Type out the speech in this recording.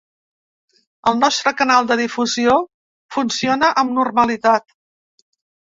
El nostre canal de difusió funciona amb normalitat.